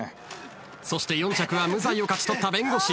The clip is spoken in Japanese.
そして４着は無罪を勝ち取った弁護士。